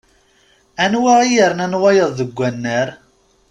Anwa i yernan wayeḍ deg annar?